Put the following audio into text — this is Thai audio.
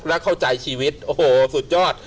และเข้าใจชีวิตโอ้โหสุดยอด